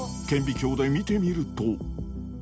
顕微鏡で見てみると。